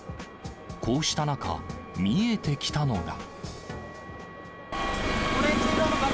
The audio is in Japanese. こうした中、見えてきたのが。